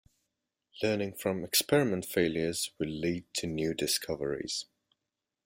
Learning from experiment failures will lead to new discoveries.